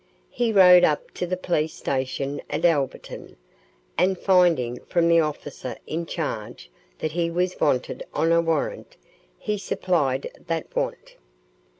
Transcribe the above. He rode up to the police station at Alberton, and finding from the officer in charge that he was wanted on a warrant, he supplied that want.